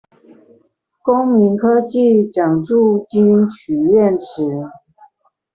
公民科技獎助金許願池